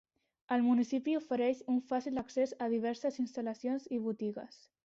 El municipi ofereix un fàcil accés a diverses instal·lacions i botigues.